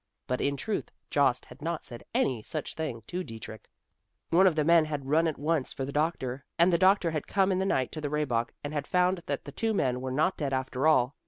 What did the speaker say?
But in truth Jost had not said any such thing to Dietrich! One of the men had run at once for the doctor, and the doctor had come in the night to the Rehbock, and had found that the two men were not dead after all.